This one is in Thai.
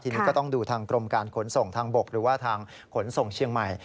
ทีนี้ก็ต้องดูทางกรมการขนส่งทางบกหรือว่าทางขนส่งเชียงใหม่